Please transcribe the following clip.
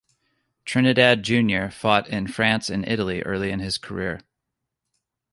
Trinidad Junior fought in France and Italy early in his career.